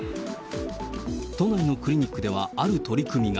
都内のクリニックでは、ある取り組みが。